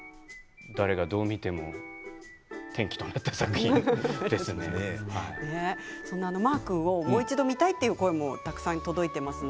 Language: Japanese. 誰がどう見ても転機となったマア君をもう一度見たいという声もたくさんいただきました。